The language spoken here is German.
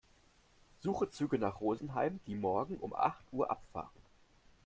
Suche Züge nach Rosenheim, die morgen um acht Uhr abfahren.